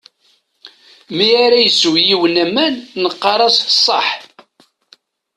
Mi ara isew yiwen aman, neqqar-as ṣaḥ.